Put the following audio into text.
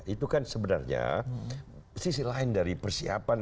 itu kan sebenarnya sisi lain dari persiapan